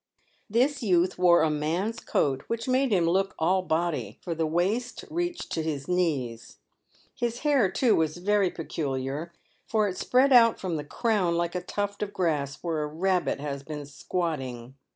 This youth wore a man's coat, which made him look all body, for the waist reached to his knees. His hair, too, was very peculiar, for it spread out from the crown like a tuft of grass where a rabbit has been squatting.